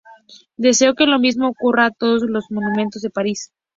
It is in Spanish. Deseo que lo mismo ocurra a todos los monumentos de París.